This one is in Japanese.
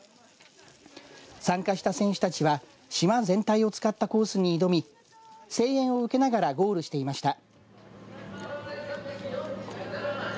参加した選手たちは島全体を使ったコースに挑み声援を受けながらゴールしていました。